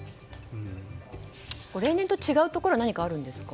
例年と違うところは何かありますか。